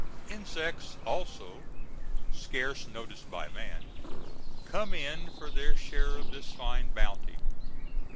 Insects also, scarce noticed by man, come in for their share of this fine bounty.